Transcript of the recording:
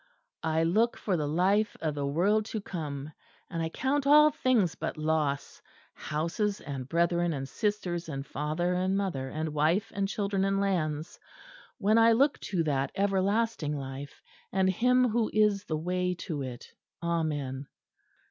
_" "I look for the life of the world to come; and I count all things but loss, houses and brethren and sisters and father and mother and wife and children and lands, when I look to that everlasting life, and Him Who is the Way to it. _Amen.